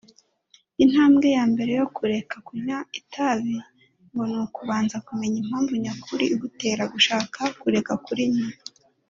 intambwe ya mbere yo kureka kunywa itabi ngo ni ukubanza kumenya impamvu nyakuri igutera gushaka kureka kurinywa